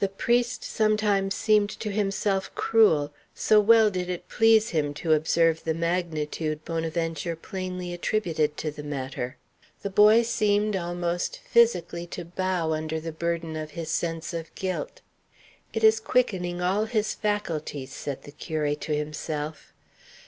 The priest sometimes seemed to himself cruel, so well did it please him to observe the magnitude Bonaventure plainly attributed to the matter. The boy seemed almost physically to bow under the burden of his sense of guilt. "It is quickening all his faculties," said the curé to himself.